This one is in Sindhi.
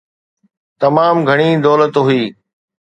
تمام گهڻي دولت هئي.